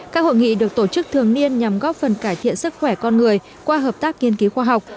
các hội nghị được tổ chức thường niên nhằm góp phần cải thiện sức khỏe con người qua hợp tác nghiên cứu khoa học